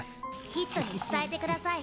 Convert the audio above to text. ＨＩＴに伝えてください！